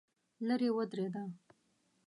لرې ودرېده.